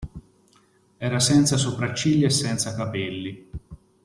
Era senza sopracciglia e senza capelli.